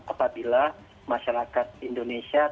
apabila masyarakat indonesia